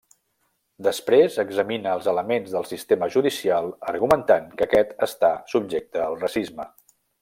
Després examina els elements del sistema judicial argumentant que aquest està subjecte al racisme.